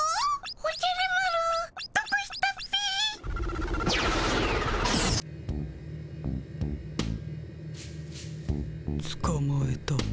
おじゃる丸どこ行ったっピ？つかまえた。